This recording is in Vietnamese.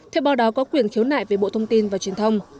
theo bào đó có quyền khiếu nại về bộ thông tin và truyền thông